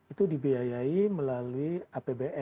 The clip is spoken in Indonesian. itu dibiayai melalui apb